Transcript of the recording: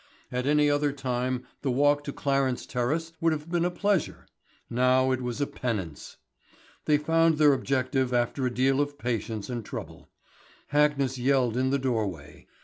At any other time the walk to Clarence Terrace would have been a pleasure, now it was a penance. They found their objective after a deal of patience and trouble. Hackness yelled in the doorway.